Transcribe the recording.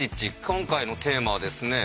今回のテーマはですね